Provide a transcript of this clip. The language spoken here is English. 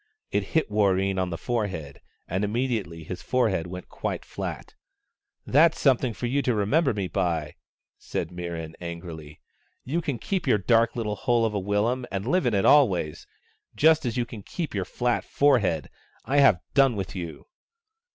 It hit Warreen on the forelicad, and immediately his forehead went quite flat. " That's something for you to remember me by !" said Mirran angrily. " You can keep your dark little hole of a willum and live in it always, just cis you can keep your flat forehead. I have done with you